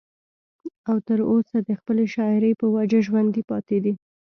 او تر اوسه د خپلې شاعرۍ پۀ وجه ژوندی پاتې دی